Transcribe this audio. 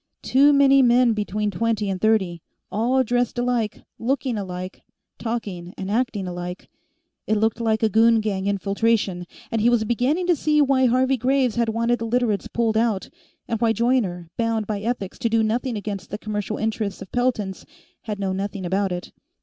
Too many men between twenty and thirty, all dressed alike, looking alike, talking and acting alike. It looked like a goon gang infiltration, and he was beginning to see why Harvey Graves had wanted the Literates pulled out, and why Joyner, bound by ethics to do nothing against the commercial interests of Pelton's, had known nothing about it.